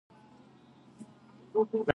日暮乡关何处是？烟波江上使人愁。